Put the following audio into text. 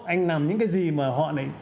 anh làm những cái gì mà họ này